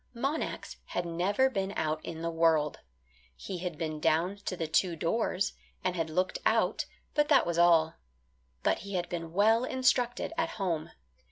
Monax had never been out in the world. He had been down to the two doors, and had looked out, but that was all. But he had been well instructed at home.